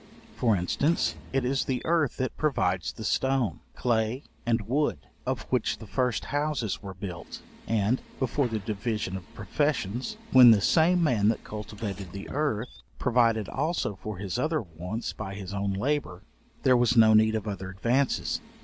For instance, it is the earth that provides the stone, clay, and wood, of which the first houses were built; and, before the division of professions, when the same man that cultivated the earth provided also for his other wants by his own labour, there was no need of other advances.